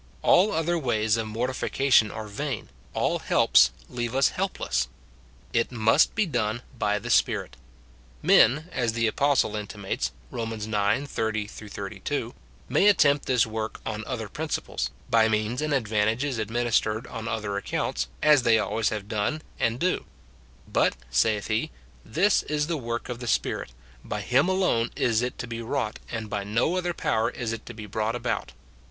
All other ways of mortification are vain, all helps leave us helpless ; it must be done by the Spirit. Men, as the apostle intimates, Rom. ix. 30 32, may attempt this work on other pi'inciples, by means and advantages adminis tered on other accounts, as they always have done, and do : but, saith he, " This is the work of the Spirit ; by him alone is it to be wrought, and by no other power is it to be brought about."